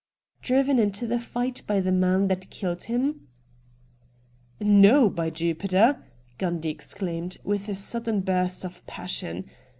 ' Driven into the fight by the man that killed him?' ' No, by Jupiter !' Gundy exclaimed, with a sudden burst of passion.